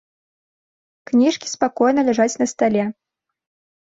Кніжкі спакойна ляжаць на стале.